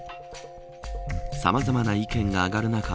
さまざまな意見が上がる中